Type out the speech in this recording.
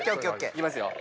いきますよ。